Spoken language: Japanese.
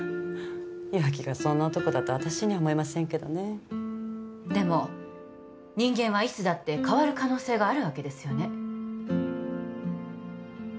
岩城がそんな男だと私には思えませんけどねでも人間はいつだって変わる可能性があるわけですよね